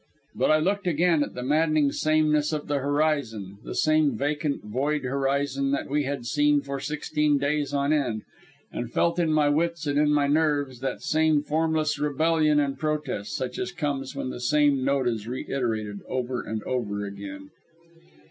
But I looked again at the maddening sameness of the horizon the same vacant, void horizon that we had seen now for sixteen days on end, and felt in my wits and in my nerves that same formless rebellion and protest such as comes when the same note is reiterated over and over again.